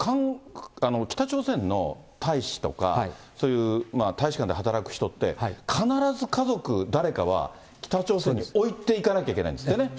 北朝鮮の大使とか、そういう大使館で働く人って、必ず家族誰かは北朝鮮に置いていかなきゃいけないんですってね。